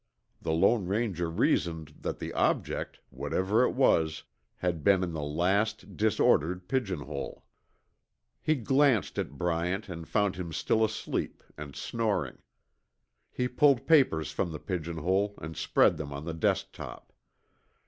The Lone Ranger reasoned that the object, whatever it was, had been in the last disordered pigeonhole. He glanced at Bryant and found him still asleep and snoring. He pulled papers from the pigeonhole and spread them on the desk top.